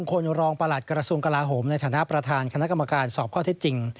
คนรองประหลัดกระทรวงกลาโหมในฐานะประธานคณะกรรมการสอบข้อเท็จจริง